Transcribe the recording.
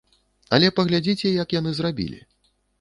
Але паглядзіце, як яны зрабілі.